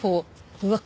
うわっ！